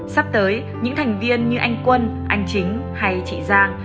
sắp tới những thành viên như anh quân anh chính hay chị giang